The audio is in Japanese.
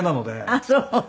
あっそうね。